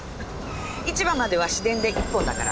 市場までは市電で１本だから。